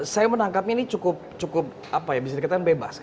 saya menangkapnya ini cukup bisa dikatakan bebas